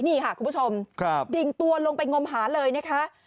นี่ค่ะคุณผู้ชมดิ่งตัวลงไปงมหาเลยนะคะ